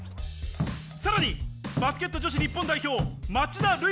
さらにバスケット女子日本代表。